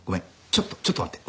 ちょっとちょっと待って。